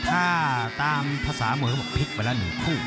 ถ้าตามภาษามวยเขาบอกพลิกไปแล้ว๑คู่